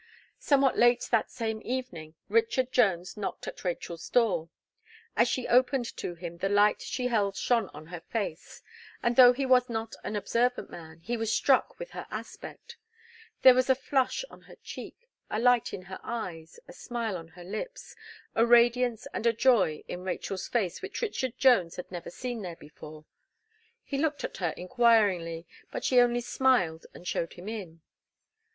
Somewhat late that same evening, Richard Jones knocked at Rachel's door. As she opened to him the light she held shone on her face, and though he was not an observant man, he was struck with her aspect. There was a flush on her cheek, a light in her eyes, a smile on her lips, a radiance and a joy in Rachel's face which Richard Jones had never seen there before. He looked at her inquiringly, but she only smiled and showed him in.